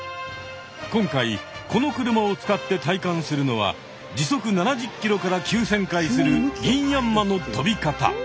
今回この車を使って体感するのは時速７０ｋｍから急旋回するギンヤンマの飛び方。